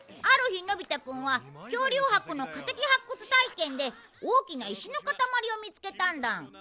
ある日のび太くんは恐竜博の化石発掘体験で大きな石の塊を見つけたんだ